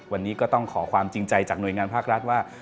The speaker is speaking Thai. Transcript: วันนี้ก็ต้องขอความจริงใจจากหน่วยงานภาครัฐว่า